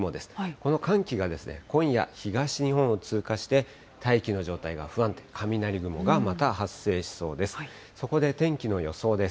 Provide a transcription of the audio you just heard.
この寒気がですね、今夜、東日本を通過して、大気の状態が不安定、雷雲がまた発生しそうです。